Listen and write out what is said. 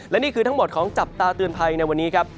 และนี่คือทั้งหมดของจับตาเตือนภัยในวันนี้ครับ